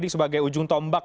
sebagai ujung tombak